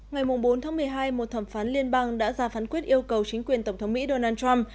ngày bốn tháng một mươi hai một thẩm phán liên bang đã ra phán quyết yêu cầu chính quyền tổng thống mỹ donald trump